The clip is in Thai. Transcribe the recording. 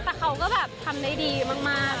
แต่เขาก็แบบทำได้ดีมาก